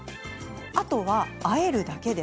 あとは、あえるだけ。